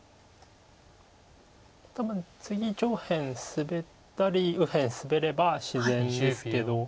多分次上辺スベったり右辺スベれば自然ですけど。